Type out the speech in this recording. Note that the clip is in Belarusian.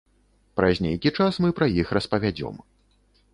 Праз нейкі час мы пра іх распавядзём.